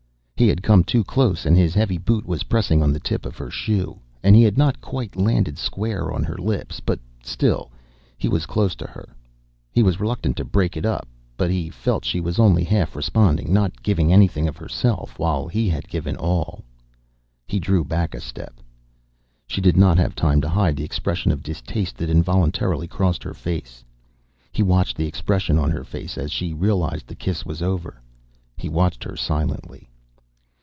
He had come too close, and his heavy boot was pressing on the tip of her shoe; and he had not quite landed square on her lips. But still, he was close to her. He was reluctant to break it up, but he felt she was only half responding, not giving anything of herself while he had given all. He drew back a step. She did not have time to hide the expression of distaste that involuntarily crossed her face. He watched the expression on her face as she realized the kiss was over. He watched her silently.